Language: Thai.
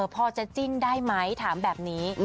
พอจะจิ้นได้ไหมถามแบบนี้